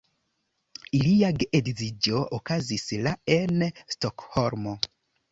Ilia geedziĝo okazis la en Stokholmo.